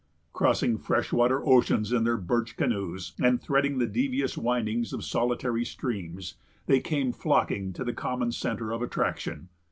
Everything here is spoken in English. Crossing fresh water oceans in their birch canoes, and threading the devious windings of solitary streams, they came flocking to the common centre of attraction.